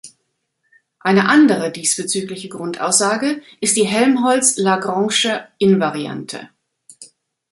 Eine andere diesbezügliche Grundaussage ist die Helmholtz-Lagrangesche Invariante.